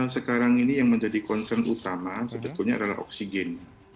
sekarang ini yang menjadi concern utama sebetulnya adalah oksigen